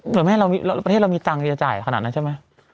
เหมือนแม้เราเราประเทศเรามีจังที่จะจ่ายขนาดนั้นใช่ไหม